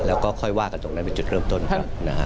แล้วก็ค่อยว่ากันตรงนั้นเป็นจุดเริ่มต้นกันนะฮะ